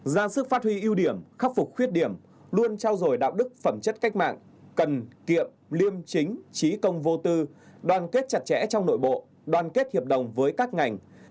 ra sức phát huy ưu điểm khắc phục khuyết điểm luôn trao dồi đạo đức phẩm chất cách mạng cần kiệm liêm chính trí công vô tư đoàn kết chặt chẽ trong nội bộ đoàn kết hiệp đồng với các ngành